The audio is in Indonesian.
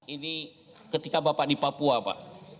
ini ketika bapak di papua pak